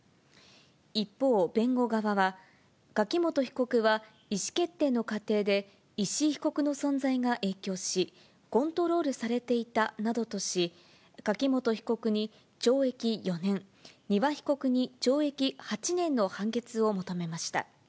一方、弁護側は、柿本被告は意思決定の過程で石井被告の存在が影響し、コントロールされていたなどとし、柿本被告に懲役４年、丹羽被告に懲役８年の判決を求めました。